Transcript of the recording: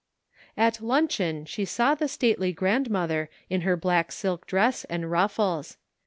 At luncheon she saw the stately grandmother in her black silk dress and ruffles.